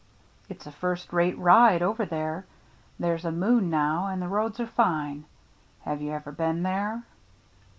"It's a first rate ride over there. There's a moon now, and the roads are fine. Have you ever been there